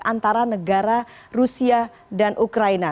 antara negara rusia dan ukraina